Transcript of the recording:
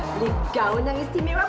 beli gaun yang istimewa